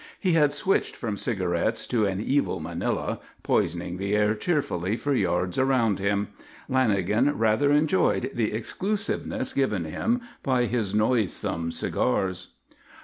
He had switched from cigarettes to an evil Manila, poisoning the air cheerfully for yards around him. Lanagan rather enjoyed the exclusiveness given him by his noisome cigars.